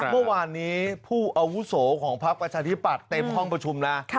เมื่อวานนี้ผู้อาวุโสของพักประชาธิปัตย์เต็มห้องประชุมนะ